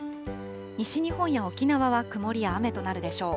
西日本や沖縄は曇りや雨となるでしょう。